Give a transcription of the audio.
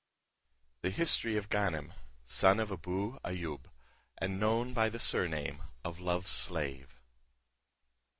THE HISTORY OF GANEM, SON OF ABOU AYOUB, AND KNOWN BY THE SURNAME OF LOVE'S SLAVE.